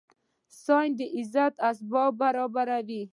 ساینس د عزت اسباب برابره وي